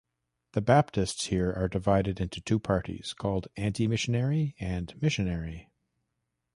The Baptists here are divided into two parties, called Anti-missionary and Missionary.